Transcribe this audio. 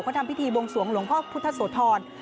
เขาทำพิธีบวงสวงหลวงพ่อพุทธโสธร